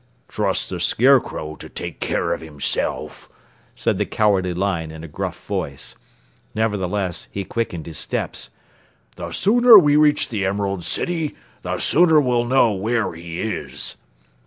"Trust the Scarecrow to take care of himself," said the Cowardly Lion in a gruff voice. Nevertheless, he quickened his steps. "The sooner we reach the Emerald City, the sooner we'll know where he is!"